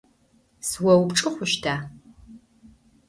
Сыоупчӏы хъущта?